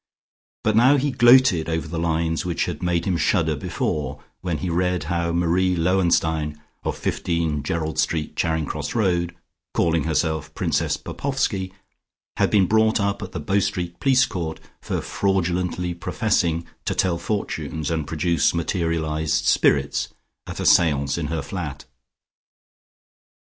But now he gloated over the lines which had made him shudder before when he read how Marie Lowenstein, of 15, Gerald Street, Charing Cross Road, calling herself Princess Popoffski, had been brought up at the Bow Street Police Court for fraudulently professing to tell fortunes and produce materialised spirits at a seance in her flat.